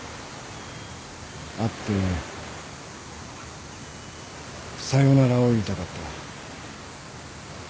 会ってさよならを言いたかった。